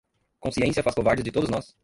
Consciência faz covardes de todos nós